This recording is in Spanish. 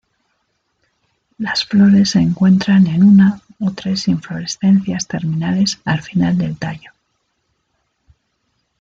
Las flores se encuentran en una o tres inflorescencias terminales al final del tallo.